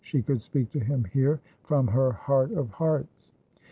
She could speak to him here from her heart of hearts.